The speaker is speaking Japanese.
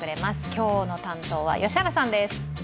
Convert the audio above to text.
今日の担当は良原さんです。